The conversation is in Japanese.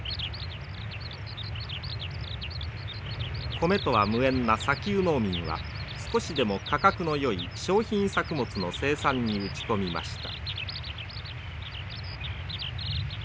米とは無縁な砂丘農民は少しでも価格のよい商品作物の生産に打ち込みました。